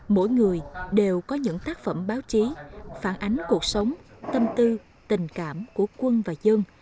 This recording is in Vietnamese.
mỗi người đều có những tác phẩm báo chí phản ánh cuộc sống tâm tư tình cảm của quân và dân